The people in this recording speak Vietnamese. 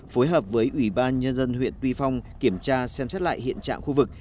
phối hợp với ủy ban nhân dân huyện tuy phong kiểm tra xem xét lại hiện trạng khu vực